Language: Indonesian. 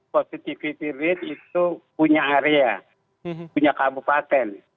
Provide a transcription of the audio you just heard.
positivity rate itu punya area punya kabupaten